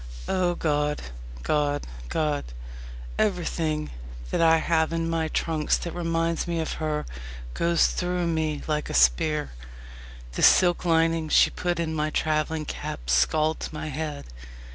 O God! God! God! Everything that I have in my trunks that reminds me of her goes through me like a spear. The silk lining she put in my travelling cap scalds my head.